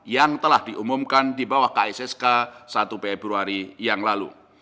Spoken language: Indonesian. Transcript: yang telah diumumkan di bawah kssk satu februari yang lalu